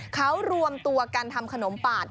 เขารวมตัวกันทำขนมปาด